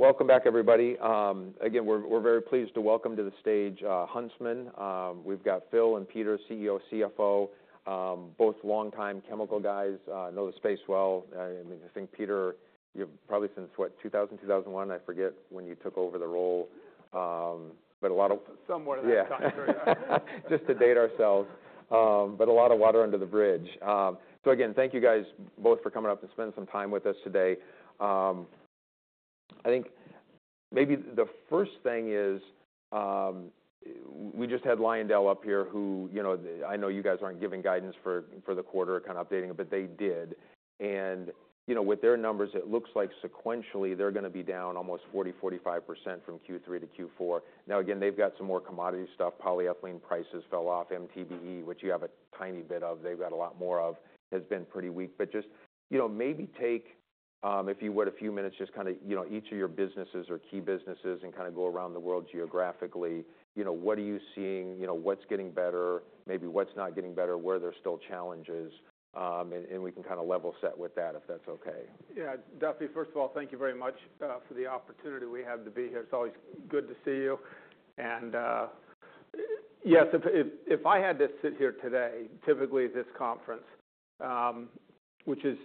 Welcome back, everybody. Again, we're very pleased to welcome to the stage, Huntsman. We've got Phil and Peter, CEO, CFO, both longtime chemical guys, know the space well. I mean, I think Peter, you've probably since, what, 2000, 2001? I forget when you took over the role. But a lot of. Somewhere in that time period. Yeah. Just to date ourselves, but a lot of water under the bridge, so again, thank you guys both for coming up and spending some time with us today. I think maybe the first thing is, we just had Lyondell up here who, you know, I know you guys aren't giving guidance for the quarter, kinda updating it, but they did. You know, with their numbers, it looks like sequentially they're gonna be down almost 40%-45% from Q3 to Q4. Now, again, they've got some more commodity stuff. Polyethylene prices fell off. MTBE, which you have a tiny bit of, they've got a lot more of, has been pretty weak. But just, you know, maybe take, if you would, a few minutes, just kinda, you know, each of your businesses or key businesses and kinda go around the world geographically. You know, what are you seeing? You know, what's getting better? Maybe what's not getting better? Where there's still challenges? And we can kinda level set with that if that's okay. Yeah. Duffy, first of all, thank you very much for the opportunity we have to be here. It's always good to see you. And, yes, if I had to sit here today, typically this conference, which is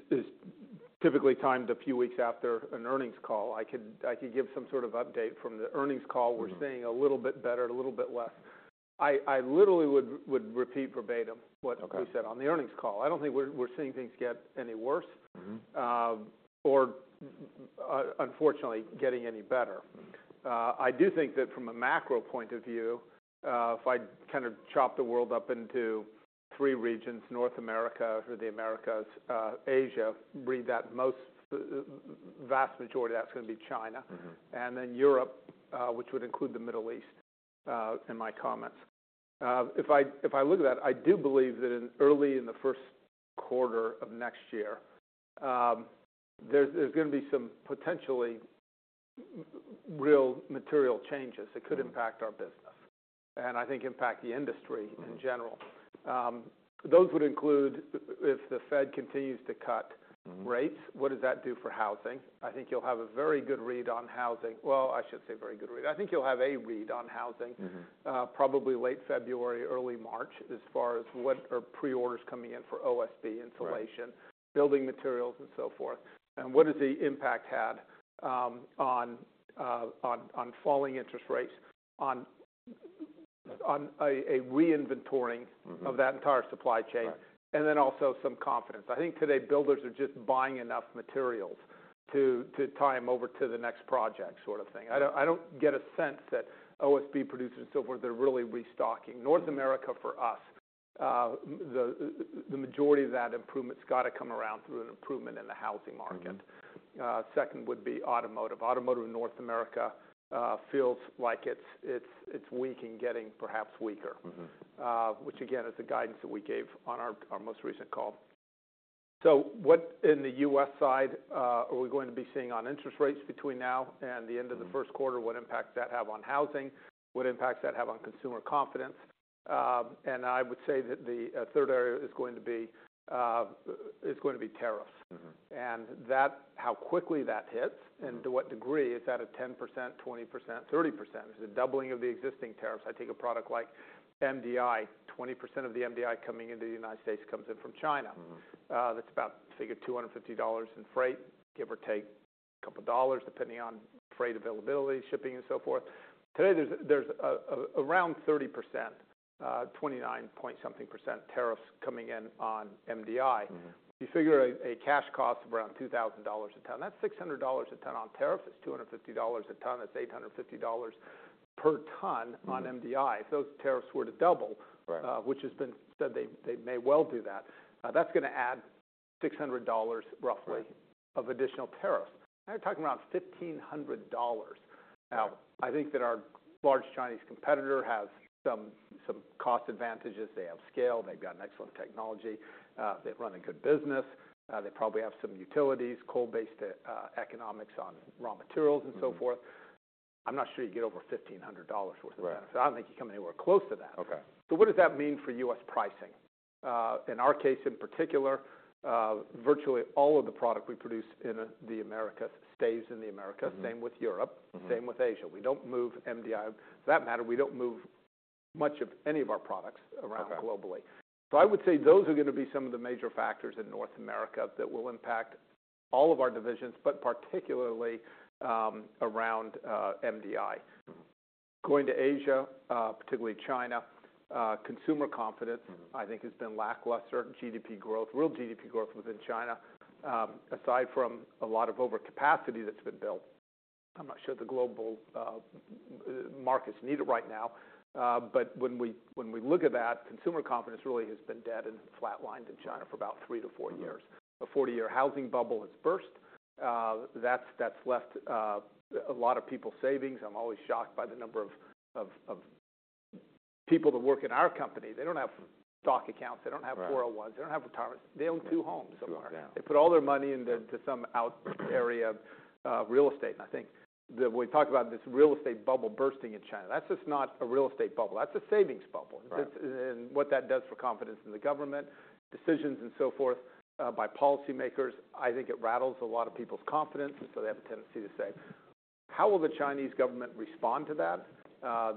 typically timed a few weeks after an earnings call, I could give some sort of update from the earnings call. Mm-hmm. We're seeing a little bit better, a little bit less. I literally would repeat verbatim what. Okay. We said on the earnings call. I don't think we're seeing things get any worse. Mm-hmm. or, unfortunately, getting any better. I do think that from a macro point of view, if I kinda chop the world up into three regions: North America or the Americas, Asia, read that as the vast majority of that's gonna be China. Mm-hmm. And then Europe, which would include the Middle East, in my comments. If I look at that, I do believe that in early in the first quarter of next year, there's gonna be some potentially real material changes that could impact our business. Mm-hmm. I think impact the industry in general. Mm-hmm. those would include if the Fed continues to cut. Mm-hmm. Rates, what does that do for housing? I think you'll have a very good read on housing. Well, I should say very good read. I think you'll have a read on housing. Mm-hmm. Probably late February, early March, as far as what are pre-orders coming in for OSB insulation. Right. Building materials, and so forth. And what does the impact have on falling interest rates on a re-inventorying. Mm-hmm. Of that entire supply chain. Right. Also some confidence. I think today builders are just buying enough materials to tie them over to the next project sort of thing. I don't get a sense that OSB producers and so forth, they're really restocking. North America for us, the majority of that improvement's gotta come around through an improvement in the housing market. Mm-hmm. Second would be automotive. Automotive in North America feels like it's weak and getting perhaps weaker. Mm-hmm. which again is the guidance that we gave on our most recent call, so what in the U.S. side are we going to be seeing on interest rates between now and the end of the first quarter? What impact does that have on housing? What impact does that have on consumer confidence, and I would say that the third area is going to be tariffs. Mm-hmm. And that, how quickly that hits. Mm-hmm. And to what degree is that a 10%, 20%, 30%? Is it doubling of the existing tariffs? I take a product like MDI, 20% of the MDI coming into the United States comes in from China. Mm-hmm. That's about, figure $250 in freight, give or take a couple dollars depending on freight availability, shipping, and so forth. Today there's a around 30%, 29-point-something percent tariffs coming in on MDI. Mm-hmm. You figure a cash cost of around $2,000 a ton, that's $600 a ton on tariffs. That's $250 a ton. That's $850 per ton on MDI. Mm-hmm. If those tariffs were to double. Right. which has been said, they may well do that. That's gonna add $600 roughly. Mm-hmm. Of additional tariffs, and you're talking around $1,500. Mm-hmm. Now, I think that our large Chinese competitor has some cost advantages. They have scale. They've got an excellent technology. They run a good business. They probably have some utilities, coal-based, economics on raw materials and so forth. Mm-hmm. I'm not sure you get over $1,500 worth of tariffs. Right. I don't think you come anywhere close to that. Okay. So what does that mean for U.S. pricing? In our case in particular, virtually all of the product we produce in the Americas stays in the Americas. Mm-hmm. Same with Europe. Mm-hmm. Same with Asia. We don't move MDI for that matter. We don't move much of any of our products around. Okay. Globally. So I would say those are gonna be some of the major factors in North America that will impact all of our divisions, but particularly around MDI. Mm-hmm. Going to Asia, particularly China, consumer confidence. Mm-hmm. I think has been lackluster. GDP growth, real GDP growth within China, aside from a lot of overcapacity that's been built. I'm not sure the global markets need it right now. But when we look at that, consumer confidence really has been dead and flatlined in China for about three to four years. Mm-hmm. A 40-year housing bubble has burst. That's left a lot of people's savings. I'm always shocked by the number of people that work in our company. They don't have stock accounts. They don't have 401s. Mm-hmm. They don't have retirements. They own two homes somewhere. Yeah. They put all their money into some outer area, real estate. I think when we talk about this real estate bubble bursting in China, that's just not a real estate bubble. That's a savings bubble. Right. And that's what that does for confidence in the government decisions and so forth by policymakers. I think it rattles a lot of people's confidence, and so they have a tendency to say, "How will the Chinese government respond to that?"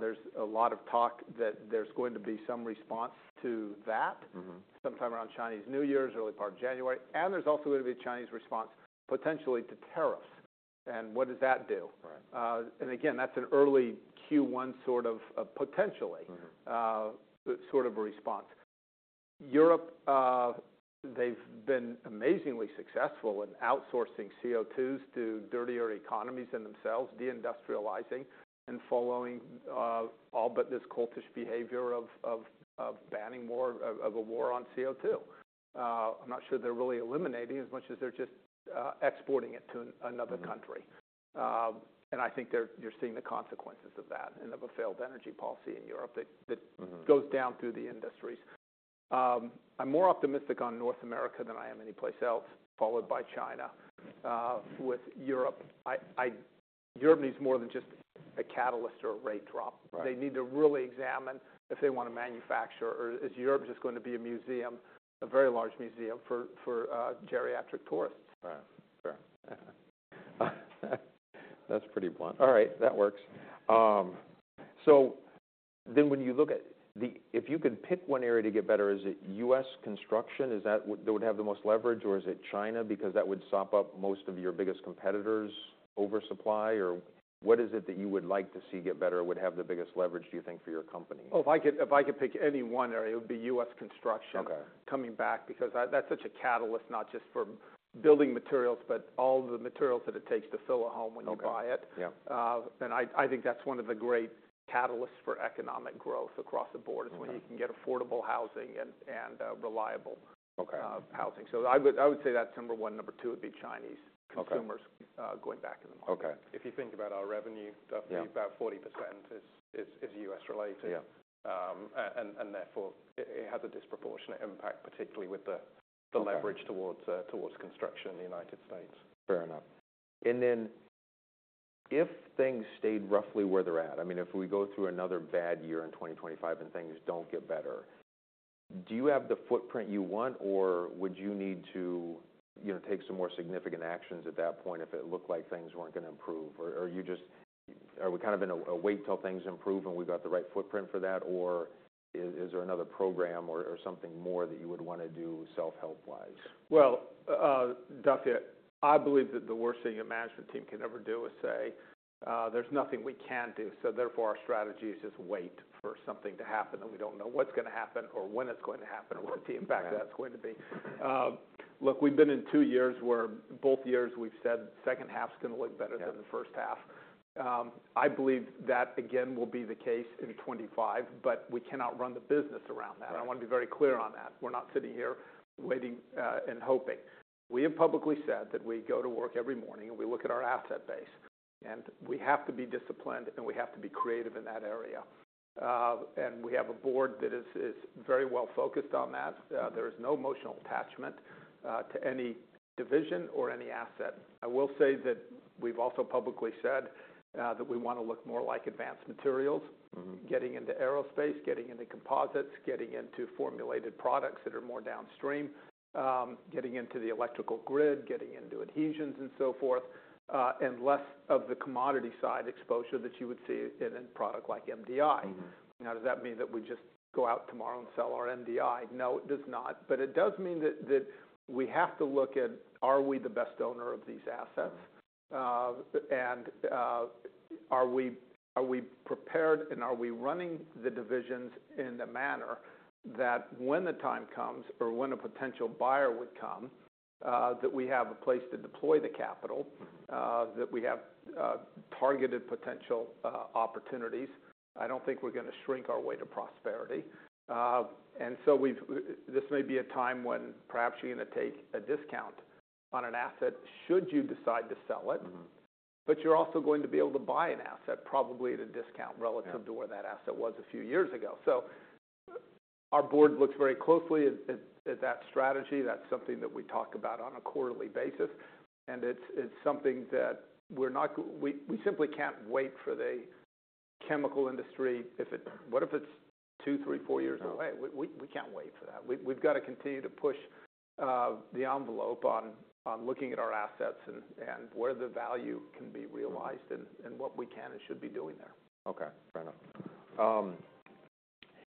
There's a lot of talk that there's going to be some response to that. Mm-hmm. Sometime around Chinese New Year's, early part of January. And there's also gonna be a Chinese response potentially to tariffs. And what does that do? Right. And again, that's an early Q1 sort of, potentially. Mm-hmm. Sort of a response. Europe, they've been amazingly successful in outsourcing CO2s to dirtier economies than themselves, deindustrializing, and following all but this cultish behavior of banning a war on CO2. I'm not sure they're really eliminating as much as they're just exporting it to another country. Mm-hmm. and I think you're seeing the consequences of that and of a failed energy policy in Europe that. Mm-hmm. Goes down through the industries. I'm more optimistic on North America than I am any place else, followed by China. With Europe, Europe needs more than just a catalyst or a rate drop. Right. They need to really examine if they wanna manufacture or is Europe just gonna be a museum, a very large museum for geriatric tourists. Right. Fair. That's pretty blunt. All right. That works. So then when you look at it, if you could pick one area to get better, is it U.S. construction? Is that what that would have the most leverage, or is it China? Because that would sop up most of your biggest competitors' oversupply, or what is it that you would like to see get better, would have the biggest leverage, do you think, for your company? Oh, if I could pick any one area, it would be U.S. construction. Okay. Coming back because that's such a catalyst, not just for building materials, but all the materials that it takes to fill a home when you buy it. Okay. Yeah. And I think that's one of the great catalysts for economic growth across the board. Mm-hmm. Is when you can get affordable housing and reliable. Okay. housing. So I would say that's number one. Number two would be Chinese consumers. Okay. Going back in the market. Okay. If you think about our revenue, Duffy. Yeah. About 40% is U.S.-related. Yeah. And therefore it has a disproportionate impact, particularly with the leverage. Mm-hmm. Towards construction in the United States. Fair enough. And then if things stayed roughly where they're at, I mean, if we go through another bad year in 2025 and things don't get better, do you have the footprint you want, or would you need to, you know, take some more significant actions at that point if it looked like things weren't gonna improve? Or are you just, are we kind of in a wait till things improve and we got the right footprint for that? Or is there another program or something more that you would wanna do self-help-wise? Duffy, I believe that the worst thing a management team can ever do is say, there's nothing we can do, so therefore our strategy is just wait for something to happen that we don't know what's gonna happen or when it's going to happen or what the impact that's going to be. Mm-hmm. Look, we've been in two years where both years we've said the second half's gonna look better than the first half. Yeah. I believe that, again, will be the case in 2025, but we cannot run the business around that. Right. I wanna be very clear on that. We're not sitting here waiting, and hoping. We have publicly said that we go to work every morning and we look at our asset base, and we have to be disciplined and we have to be creative in that area, and we have a board that is very well focused on that. There is no emotional attachment to any division or any asset. I will say that we've also publicly said that we wanna look more like Advanced Materials. Mm-hmm. Getting into aerospace, getting into composites, getting into formulated products that are more downstream, getting into the electrical grid, getting into adhesives and so forth, and less of the commodity side exposure that you would see in a product like MDI. Mm-hmm. Now, does that mean that we just go out tomorrow and sell our MDI? No, it does not. But it does mean that we have to look at, are we the best owner of these assets? Mm-hmm. and are we prepared and are we running the divisions in the manner that when the time comes or when a potential buyer would come, that we have a place to deploy the capital? Mm-hmm. That we have targeted potential opportunities. I don't think we're gonna shrink our way to prosperity and so we've this may be a time when perhaps you're gonna take a discount on an asset should you decide to sell it. Mm-hmm. But you're also going to be able to buy an asset probably at a discount relative to where that asset was a few years ago. So our board looks very closely at that strategy. That's something that we talk about on a quarterly basis, and it's something that we're not. We simply can't wait for the chemical industry. What if it's two, three, four years away? Mm-hmm. We can't wait for that. We've gotta continue to push the envelope on looking at our assets and where the value can be realized and what we can and should be doing there. Okay. Fair enough.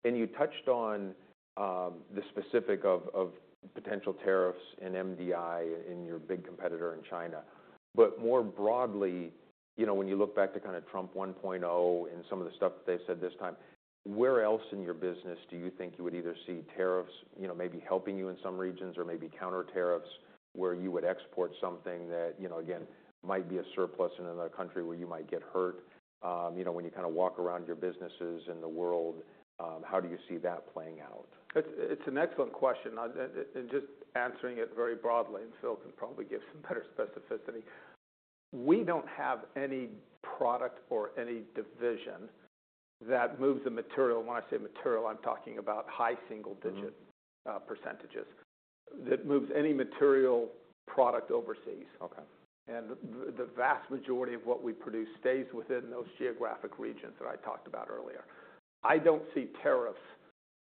And you touched on the specifics of potential tariffs and MDI in your big competitor in China. But more broadly, you know, when you look back to kinda Trump 1.0 and some of the stuff that they've said this time, where else in your business do you think you would either see tariffs, you know, maybe helping you in some regions or maybe counter tariffs where you would export something that, you know, again, might be a surplus in another country where you might get hurt? You know, when you kinda walk around your businesses in the world, how do you see that playing out? It's an excellent question. And just answering it very broadly, and Phil can probably give some better specificity. We don't have any product or any division that moves a material. When I say material, I'm talking about high single-digit. Mm-hmm. percentages that moves any material product overseas. Okay. And the vast majority of what we produce stays within those geographic regions that I talked about earlier. I don't see tariffs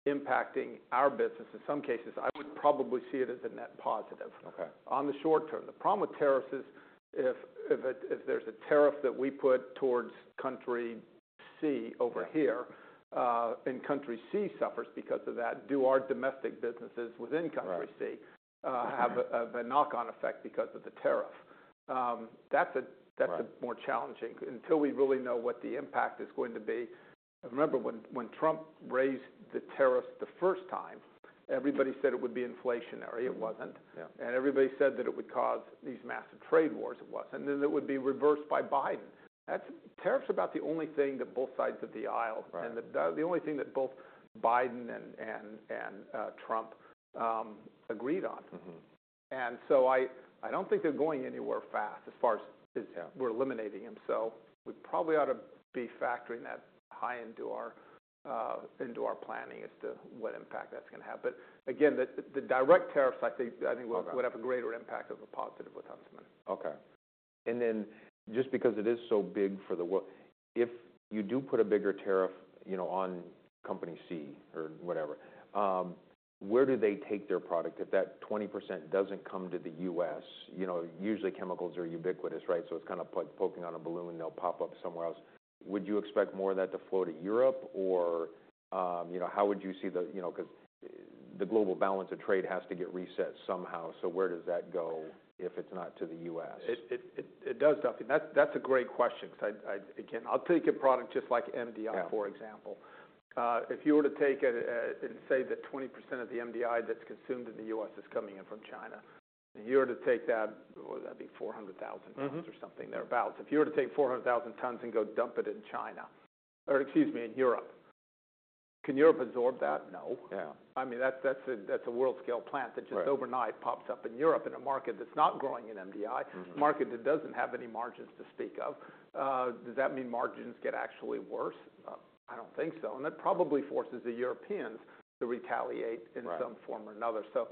impacting our business. In some cases, I would probably see it as a net positive. Okay. On the short term, the problem with tariffs is if there's a tariff that we put towards country C over here. Right. and country C suffers because of that, do our domestic businesses within country C. Right. have a knock-on effect because of the tariff? That's a more challenging until we really know what the impact is going to be. I remember when Trump raised the tariffs the first time, everybody said it would be inflationary. It wasn't. Yeah. And everybody said that it would cause these massive trade wars. It wasn't. And then it would be reversed by Biden. That's tariffs are about the only thing that both sides of the aisle. Right. The only thing that both Biden and Trump agreed on. Mm-hmm. And so I don't think they're going anywhere fast as far as. Yeah. We're eliminating them. So we probably ought to be factoring that high into our planning as to what impact that's gonna have. But again, the direct tariffs, I think, will. Okay. Would have a greater impact of a positive with Huntsman. Okay. And then just because it is so big for the world if you do put a bigger tariff, you know, on China or whatever, where do they take their product? If that 20% doesn't come to the U.S., you know, usually chemicals are ubiquitous, right? So it's kinda like poking on a balloon. They'll pop up somewhere else. Would you expect more of that to flow to Europe or, you know, how would you see the, you know, 'cause the global balance of trade has to get reset somehow. So where does that go if it's not to the U.S.? It does, Duffy. That's a great question 'cause I again, I'll take a product just like MDI. Yeah. For example, if you were to take and say that 20% of the MDI that's consumed in the U.S. is coming in from China, and you were to take that, what would that be? 400,000 tons. Mm-hmm. Or something thereabouts. If you were to take 400,000 tons and go dump it in China or excuse me, in Europe, can Europe absorb that? No. Yeah. I mean, that's a world-scale plant that just. Right. Overnight pops up in Europe in a market that's not growing in MDI. Mm-hmm. A market that doesn't have any margins to speak of. Does that mean margins get actually worse? I don't think so. And that probably forces the Europeans to retaliate. Right. In some form or another. So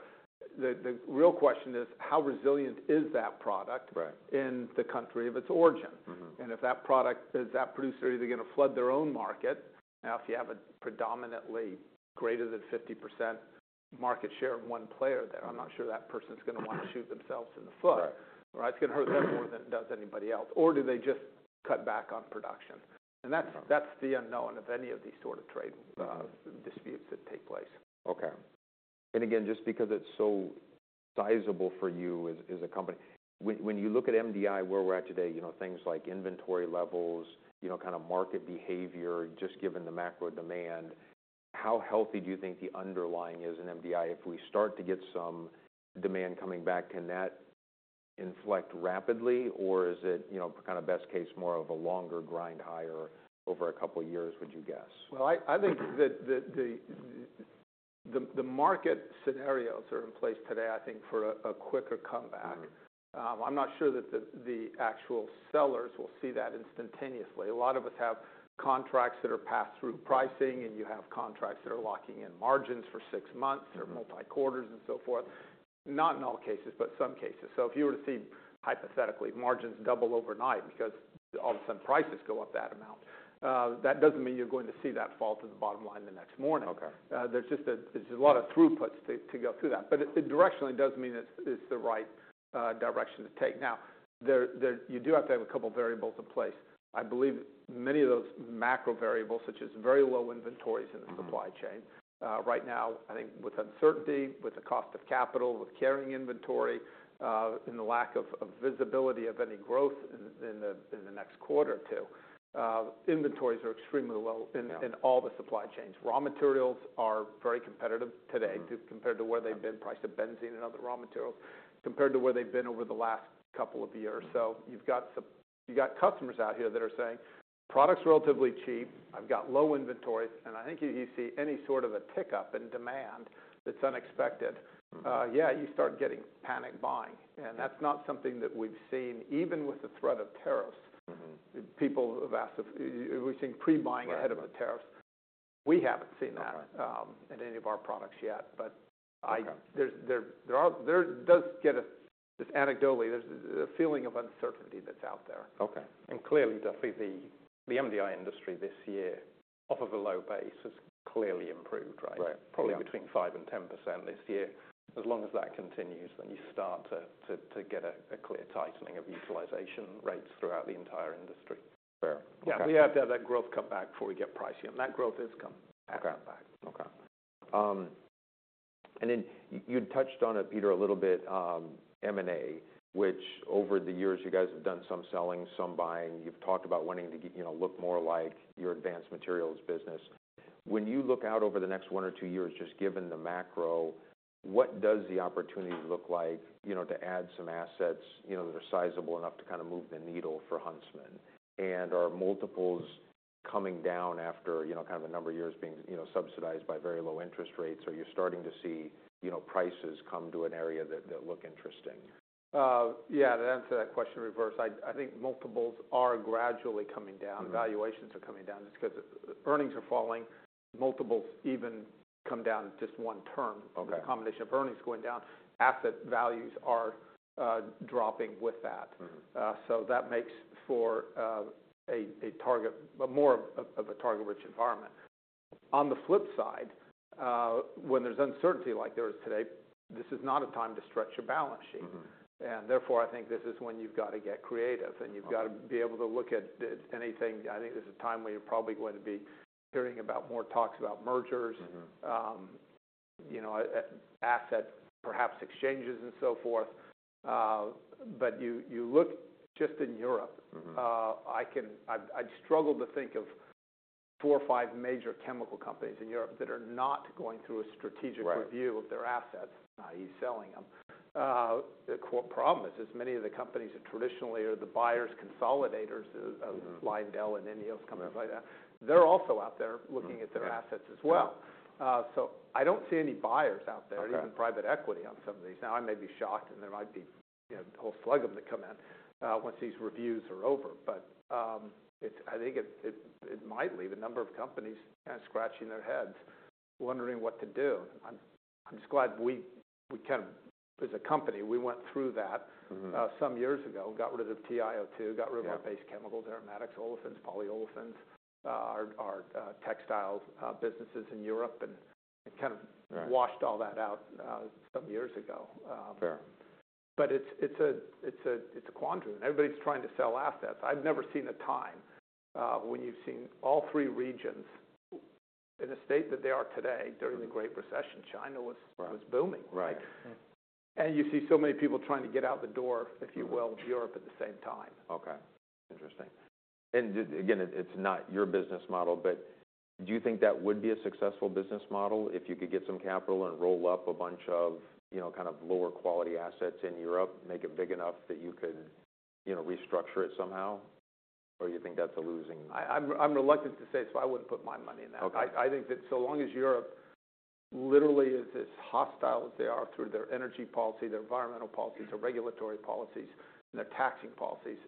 the real question is, how resilient is that product? Right. In the country of its origin? Mm-hmm. And if that product is that producer either gonna flood their own market. Now if you have a predominantly greater than 50% market share of one player there. Mm-hmm. I'm not sure that person's gonna wanna shoot themselves in the foot. Right. Right? It's gonna hurt them more than it does anybody else. Or do they just cut back on production? And that's. Right. That's the unknown of any of these sort of trade. Right. Disputes that take place. Okay. And again, just because it's so sizable for you as a company, when you look at MDI where we're at today, you know, kinda market behavior, just given the macro demand, how healthy do you think the underlying is in MDI? If we start to get some demand coming back, can that inflect rapidly, or is it, you know, kinda best case more of a longer grind higher over a couple of years, would you guess? I think that the market scenarios are in place today, I think, for a quicker comeback. Mm-hmm. I'm not sure that the actual sellers will see that instantaneously. A lot of us have contracts that are pass-through pricing, and you have contracts that are locking in margins for six months. Mm-hmm. Or multi-quarters and so forth. Not in all cases, but some cases. So if you were to see, hypothetically, margins double overnight because all of a sudden prices go up that amount, that doesn't mean you're going to see that fall to the bottom line the next morning. Okay. There's just a lot of throughputs to go through that. But it directionally does mean it's the right direction to take. Now, there you do have to have a couple of variables in place. I believe many of those macro variables, such as very low inventories in the supply chain. Mm-hmm. Right now, I think with uncertainty, with the cost of capital, with carrying inventory, and the lack of visibility of any growth in the next quarter or two, inventories are extremely low in all the supply chains. Raw materials are very competitive today. Mm-hmm. Compared to where they've been, price of benzene and other raw materials compared to where they've been over the last couple of years. So you've got customers out here that are saying, "Product's relatively cheap. I've got low inventory." And I think if you see any sort of a tick up in demand that's unexpected. Mm-hmm. Yeah, you start getting panic buying, and that's not something that we've seen even with the threat of tariffs. Mm-hmm. People have asked if we've seen pre-buying ahead of the tariffs. Right. We haven't seen that. Okay. in any of our products yet, but I. Okay. Just anecdotally, there's a feeling of uncertainty that's out there. Okay. And clearly, Duffy, the MDI industry this year off of a low base has clearly improved, right? Right. Probably between five and 10% this year. As long as that continues, then you start to get a clear tightening of utilization rates throughout the entire industry. Fair. Okay. Yeah. We have to have that growth come back before we get pricing. And that growth is coming back. Okay. And then you'd touched on it, Peter, a little bit, M&A, which over the years you guys have done some selling, some buying. You've talked about wanting to get, you know, look more like your Advanced Materials business. When you look out over the next one or two years, just given the macro, what does the opportunity look like, you know, to add some assets, you know, that are sizable enough to kinda move the needle for Huntsman? And are multiples coming down after, you know, kind of a number of years being, you know, subsidized by very low interest rates, or are you starting to see, you know, prices come to an area that, that look interesting? Yeah. To answer that question in reverse, I think multiples are gradually coming down. Mm-hmm. Valuations are coming down just 'cause earnings are falling. Multiples even come down just one term. Okay. A combination of earnings going down. Asset values are dropping with that. Mm-hmm. So that makes for more of a target-rich environment. On the flip side, when there's uncertainty like there is today, this is not a time to stretch your balance sheet. Mm-hmm. Therefore, I think this is when you've gotta get creative. Mm-hmm. You've gotta be able to look at anything. I think there's a time where you're probably going to be hearing about more talks about mergers. Mm-hmm. You know, asset, perhaps exchanges and so forth, but you look just in Europe. Mm-hmm. I can't. I've struggled to think of four or five major chemical companies in Europe that are not going through a strategic review of their assets. Right. Now, he's selling them. The core problem is many of the companies that traditionally are the buyers' consolidators of. Mm-hmm. Lyondell and INEOS companies like that. Mm-hmm. They're also out there looking at their assets as well. Mm-hmm. So I don't see any buyers out there. Right. Or even private equity on some of these. Now, I may be shocked, and there might be, you know, a whole slug of them that come in, once these reviews are over. But, it's, I think, it might leave a number of companies kinda scratching their heads wondering what to do. I'm just glad we kinda as a company went through that. Mm-hmm. Some years ago, got rid of TiO2, got rid of. Right. Our base chemicals, aromatics, olefins, polyolefins, our textile businesses in Europe and kind of. Right. Washed all that out, some years ago. Fair. But it's a quandary. And everybody's trying to sell assets. I've never seen a time when you've seen all three regions in a state that they are today during the Great Recession. Right. China was booming. Right. You see so many people trying to get out the door, if you will, of Europe at the same time. Okay. Interesting. And again, it's not your business model, but do you think that would be a successful business model if you could get some capital and roll up a bunch of, you know, kind of lower-quality assets in Europe, make it big enough that you could, you know, restructure it somehow? Or do you think that's a losing? I'm reluctant to say, so I wouldn't put my money in that. Okay. I think that so long as Europe literally is as hostile as they are through their energy policy, their environmental policies, their regulatory policies, and their taxing policies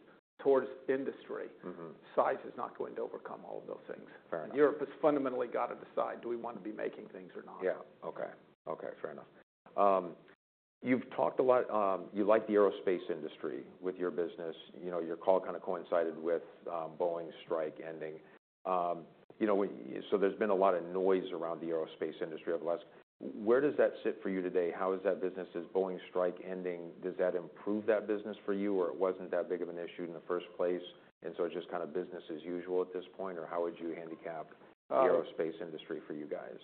towards industry. Mm-hmm. Size is not going to overcome all of those things. Fair enough. Europe has fundamentally gotta decide, do we wanna be making things or not? Yeah. Okay. Okay. Fair enough. You've talked a lot. You like the aerospace industry with your business. You know, your call kinda coincided with Boeing's strike ending. You know, when y so there's been a lot of noise around the aerospace industry over the last where does that sit for you today? How is that business? Is Boeing's strike ending? Does that improve that business for you, or it wasn't that big of an issue in the first place? And so it's just kinda business as usual at this point, or how would you handicap the aerospace industry for you guys?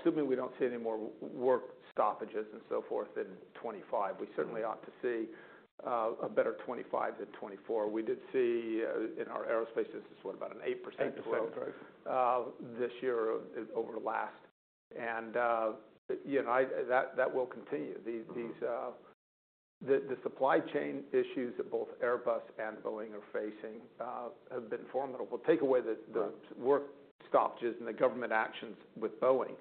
Assuming we don't see any more work stoppages and so forth in 2025. Mm-hmm. We certainly ought to see a better 2025 than 2024. We did see, in our aerospace business, about an 8% growth. 8% growth. This year or over the last. And you know, that will continue. These supply chain issues that both Airbus and Boeing are facing have been formidable. Take away the. Right. Work stoppages and the government actions with Boeing.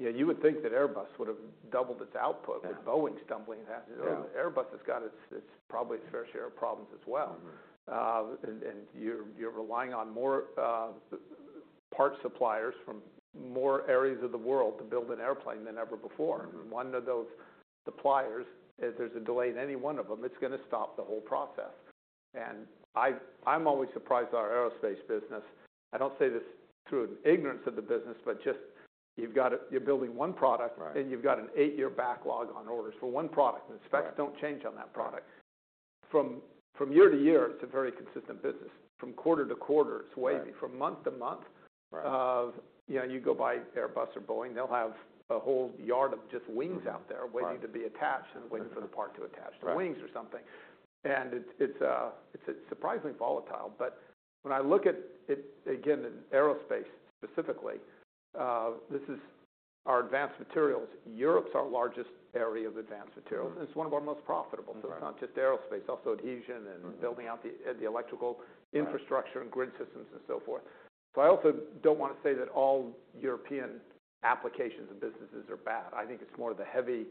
You know, you would think that Airbus would've doubled its output. Right. With Boeing stumbling ahead. Yeah. Airbus has got its. It's probably its fair share of problems as well. Mm-hmm. You're relying on more parts suppliers from more areas of the world to build an airplane than ever before. Mm-hmm. One of those suppliers, if there's a delay in any one of them, it's gonna stop the whole process, and I, I'm always surprised at our aerospace business. I don't say this through ignorance of the business, but just you've got, you're building one product. Right. You've got an eight-year backlog on orders for one product. Right. The specs don't change on that product. Right. From year to year, it's a very consistent business. From quarter to quarter, it's wavy. Right. From month to month. Right. You know, you go by Airbus or Boeing, they'll have a whole yard of just wings out there. Right. Waiting to be attached and waiting for the part to attach. Right. Or wings or something. And it's surprisingly volatile. But when I look at it, again, in aerospace specifically, this is our Advanced Materials. Europe's our largest area of Advanced Materials. Mm-hmm. It's one of our most profitable. Right. So it's not just aerospace. Right. Also adhesion and. Right. Building out the electrical. Right. Infrastructure and grid systems and so forth. So I also don't wanna say that all European applications and businesses are bad. I think it's more the heavy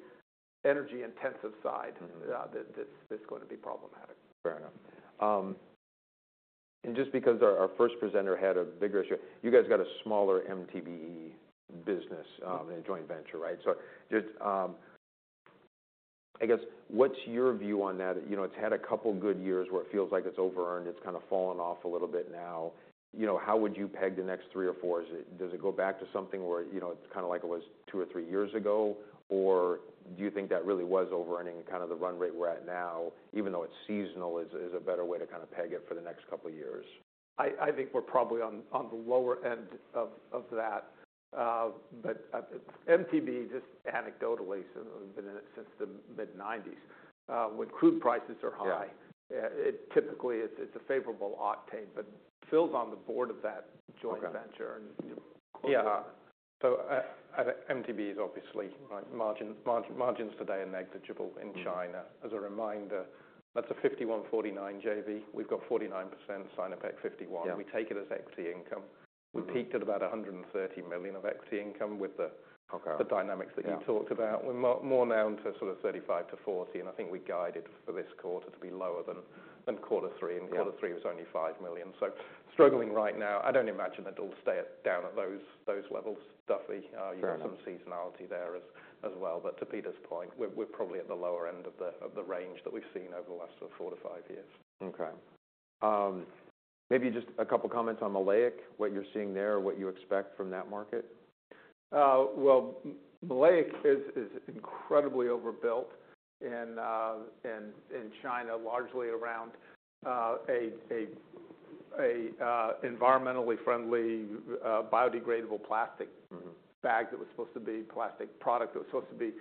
energy-intensive side. Mm-hmm. That's gonna be problematic. Fair enough, and just because our first presenter had a bigger issue, you guys got a smaller MTBE business. Mm-hmm. In a joint venture, right? So just, I guess, what's your view on that? You know, it's had a couple good years where it feels like it's over-earned. It's kinda fallen off a little bit now. You know, how would you peg the next three or four? Is it does it go back to something where, you know, it's kinda like it was two or three years ago, or do you think that really was over-earning kinda the run rate we're at now, even though it's seasonal is a better way to kinda peg it for the next couple of years? I think we're probably on the lower end of that. But MTBE, just anecdotally, since we've been in it since the mid-1990s, when crude prices are high. Yeah. It typically, it's a favorable octane, but Phil's on the board of that joint venture. Okay. You know, quote. Yeah. So, MTBE is obviously, like, margins today are negligible in China. Mm-hmm. As a reminder, that's a 51-49 JV. We've got 49%, Sinopec 51%. Yeah. We take it as equity income. We peaked at about $130 million of equity income with the. Okay. The dynamics that you talked about. We're more now into sort of 35-40, and I think we guided for this quarter to be lower than quarter three. Yeah. Quarter three was only $5 million. Struggling right now. I don't imagine that it'll stay down at those levels. Duffy, Fair enough. You've got some seasonality there as well. But to Peter's point, we're probably at the lower end of the range that we've seen over the last sort of four to five years. Okay. Maybe just a couple comments on Maleic Anhydride, what you're seeing there, what you expect from that market? Maleic is incredibly overbuilt in China, largely around environmentally friendly, biodegradable plastic. Mm-hmm. Bag that was supposed to be plastic product that was supposed to be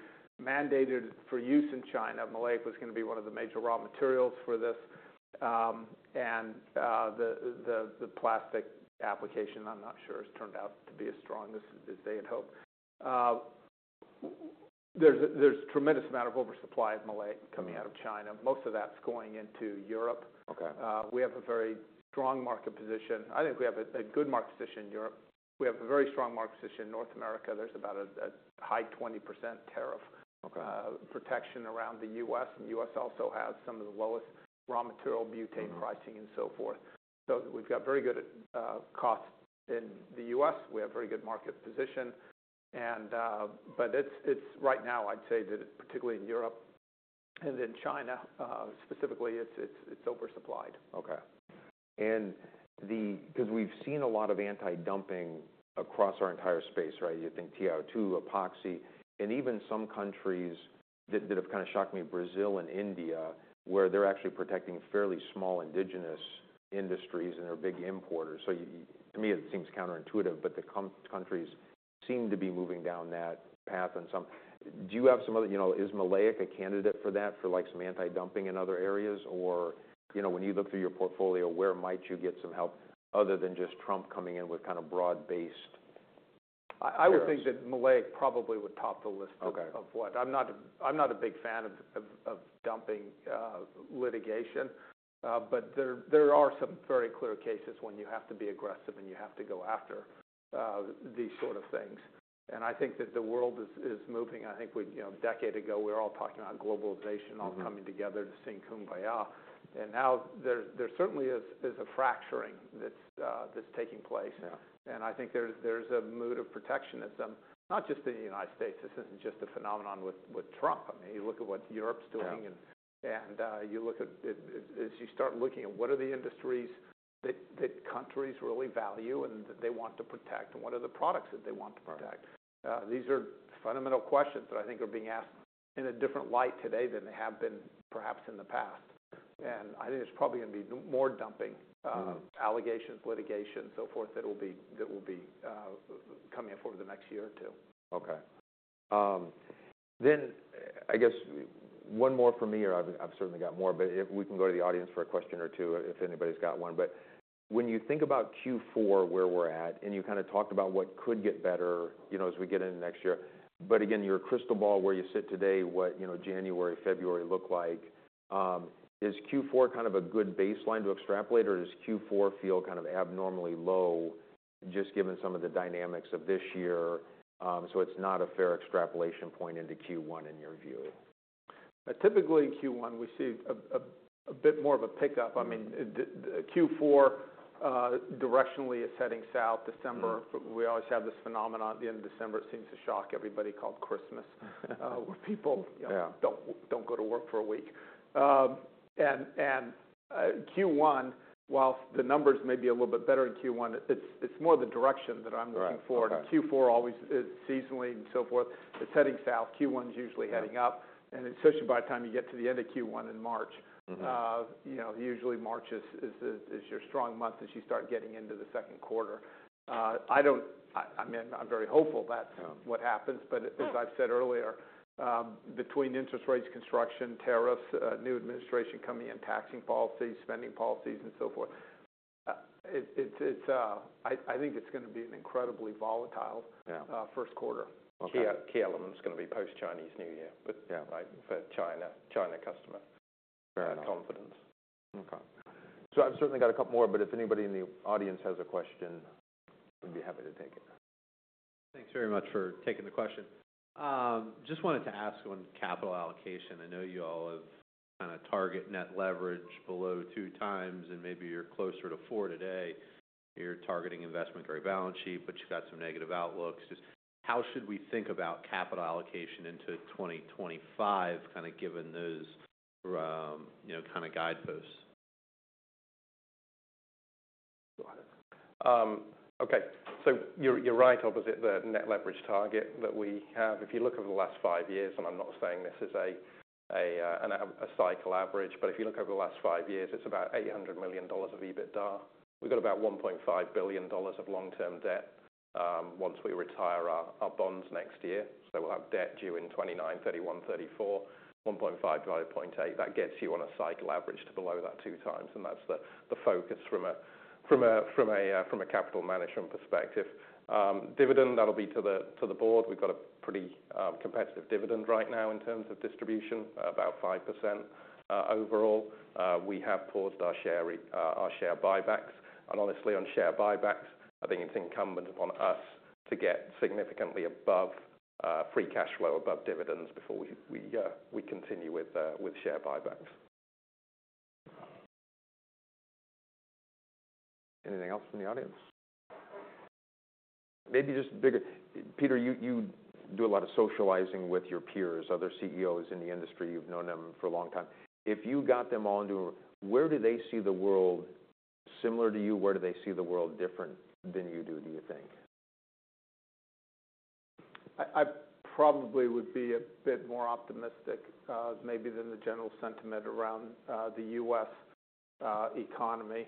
mandated for use in China. Maleic was gonna be one of the major raw materials for this. And the plastic application, I'm not sure, has turned out to be as strong as they had hoped. There's a tremendous amount of oversupply of maleic coming out of China. Mm-hmm. Most of that's going into Europe. Okay. We have a very strong market position. I think we have a good market position in Europe. We have a very strong market position in North America. There's about a high 20% tariff. Okay. protection around the U.S. And the U.S. also has some of the lowest raw material butane pricing and so forth. So we've got very good cost in the U.S. We have a very good market position. And but it's right now, I'd say that it particularly in Europe and in China, specifically, it's oversupplied. Okay. And the 'cause we've seen a lot of anti-dumping across our entire space, right? You think TiO2, epoxy, and even some countries that have kinda shocked me, Brazil and India, where they're actually protecting fairly small indigenous industries and they're big importers. So to me, it seems counterintuitive, but the countries seem to be moving down that path on some. Do you have some other you know, is maleic a candidate for that, for, like, some anti-dumping in other areas? Or, you know, when you look through your portfolio, where might you get some help other than just Trump coming in with kinda broad-based? I would think that maleic probably would top the list of. Okay. I'm not a big fan of dumping litigation. But there are some very clear cases when you have to be aggressive and you have to go after these sort of things. And I think that the world is moving. I think we, you know, a decade ago, we were all talking about globalization. Mm-hmm. All coming together to sing Kumbaya. And now, there certainly is a fracturing that's taking place. Yeah. I think there's a mood of protectionism, not just in the United States. This isn't just a phenomenon with Trump. I mean, you look at what Europe's doing. Right. You look at it as you start looking at what are the industries that countries really value and that they want to protect, and what are the products that they want to protect. Right. These are fundamental questions that I think are being asked in a different light today than they have been perhaps in the past, and I think there's probably gonna be more dumping. Mm-hmm. Allegations, litigation, so forth, that will be coming up over the next year or two. Okay. Then, I guess, one more for me, or I've certainly got more, but if we can go to the audience for a question or two, if anybody's got one. But when you think about Q4, where we're at, and you kinda talked about what could get better, you know, as we get into next year. But again, your crystal ball, where you sit today, what, you know, January, February look like? Is Q4 kind of a good baseline to extrapolate, or does Q4 feel kind of abnormally low just given some of the dynamics of this year? So it's not a fair extrapolation point into Q1 in your view. Typically in Q1, we see a bit more of a pickup. I mean, the Q4 directionally is heading south. December. Mm-hmm. We always have this phenomenon at the end of December. It seems to shock everybody called Christmas, where people. Yeah. Don't go to work for a week. And Q1, while the numbers may be a little bit better in Q1, it's more the direction that I'm looking for. Right. Q4 always, seasonally and so forth, it's heading south. Q1's usually heading up. Mm-hmm. Especially by the time you get to the end of Q1 in March. Mm-hmm. You know, usually March is your strong month as you start getting into the second quarter. I don't, I mean, I'm very hopeful that's. Yeah. But as I've said earlier, between interest rates, construction, tariffs, new administration coming in, taxing policies, spending policies, and so forth, I think it's gonna be an incredibly volatile. Yeah. first quarter. Okay. Key element's gonna be post-Chinese New Year, but. Yeah. Right, for China, China customer. Fair enough. And confidence. Okay, so I've certainly got a couple more, but if anybody in the audience has a question, I'd be happy to take it. Thanks very much for taking the question. Just wanted to ask on capital allocation. I know you all have kinda target net leverage below two times, and maybe you're closer to four today. You're targeting investment grade balance sheet, but you've got some negative outlooks. Just how should we think about capital allocation into 2025, kinda given those, you know, kinda guideposts? Go ahead. Okay. So you're right opposite the net leverage target that we have. If you look over the last five years, and I'm not saying this is a cycle average, but if you look over the last five years, it's about $800 million of EBITDA. We've got about $1.5 billion of long-term debt, once we retire our bonds next year. So we'll have debt due in 2029, 2031, 2034. 1.5 divided by 0.8, that gets you on a cycle average to below that two times, and that's the focus from a capital management perspective. Dividend, that'll be to the board. We've got a pretty competitive dividend right now in terms of distribution, about 5%, overall. We have paused our share buybacks. And honestly, on share buybacks, I think it's incumbent upon us to get significantly above free cash flow above dividends before we continue with share buybacks. Anything else from the audience? Maybe just a bigger picture, Peter. You do a lot of socializing with your peers, other CEOs in the industry. You've known them for a long time. If you got them all into a room where do they see the world similar to you? Where do they see the world different than you do, do you think? I probably would be a bit more optimistic, maybe than the general sentiment around the U.S. economy.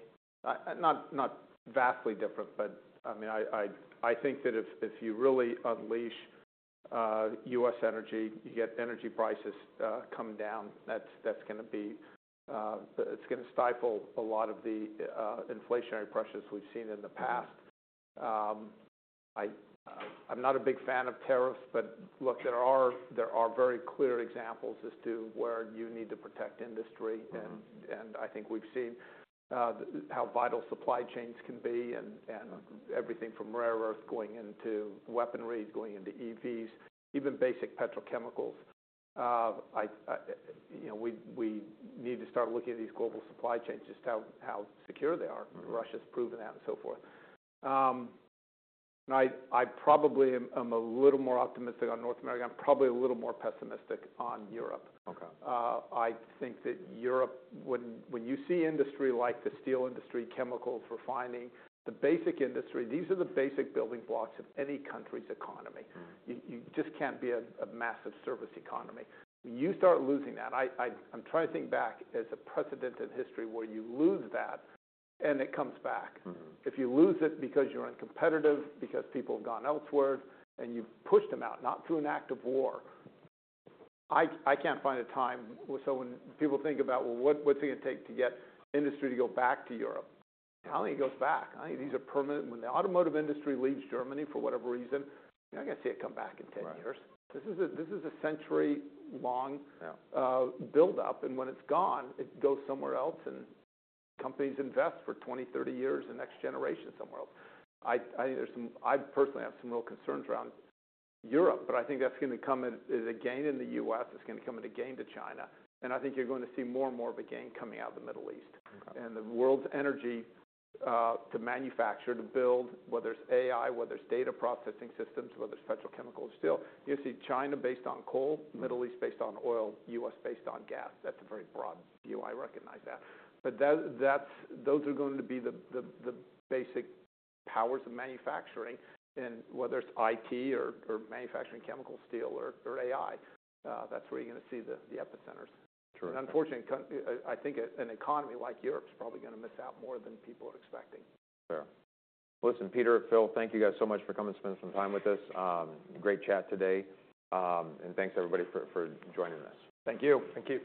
Not vastly different, but I mean I think that if you really unleash U.S. energy, you get energy prices come down, that's gonna be, it's gonna stifle a lot of the inflationary pressures we've seen in the past. I'm not a big fan of tariffs, but look, there are very clear examples as to where you need to protect industry. Mm-hmm. I think we've seen how vital supply chains can be and everything from rare earth going into weaponry, going into EVs, even basic petrochemicals. You know, we need to start looking at these global supply chains, just how secure they are. Mm-hmm. Russia's proven that and so forth, and I probably am a little more optimistic on North America. I'm probably a little more pessimistic on Europe. Okay. I think that Europe, when you see industry like the steel industry, chemicals, refining, the basic industry, these are the basic building blocks of any country's economy. Mm-hmm. You just can't be a massive service economy. When you start losing that, I'm trying to think back as a precedent in history where you lose that and it comes back. Mm-hmm. If you lose it because you're uncompetitive, because people have gone elsewhere, and you've pushed them out, not through an act of war, I can't find a time where so when people think about, well, what, what's it gonna take to get industry to go back to Europe? I don't think it goes back. I don't think these are permanent. When the automotive industry leaves Germany for whatever reason, you're not gonna see it come back in 10 years. Right. This is a century-long. Yeah. buildup, and when it's gone, it goes somewhere else, and companies invest for 20, 30 years and next generation somewhere else. I, I think there's some I personally have some real concerns around Europe, but I think that's gonna come in as a gain in the U.S. It's gonna come in a gain to China, and I think you're going to see more and more of a gain coming out of the Middle East. Okay. The world's energy, to manufacture, to build, whether it's AI, whether it's data processing systems, whether it's petrochemicals, still, you'll see China based on coal, Middle East based on oil, U.S. based on gas. That's a very broad view. I recognize that. But that, that's those are going to be the basic powers of manufacturing, and whether it's IT or manufacturing chemical steel or AI, that's where you're gonna see the epicenters. True. Unfortunately, I think an economy like Europe's probably gonna miss out more than people are expecting. Fair. Listen, Peter, Phil, thank you guys so much for coming to spend some time with us. Great chat today and thanks everybody for joining us. Thank you. Thank you.